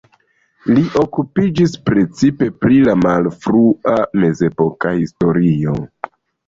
Li okupiĝis precipe pri la malfrua mezepoka historio.